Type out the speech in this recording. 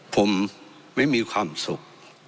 ผมไม่มีความสุข